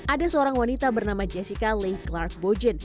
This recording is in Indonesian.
ada seorang wanita bernama jessica leigh clark bogin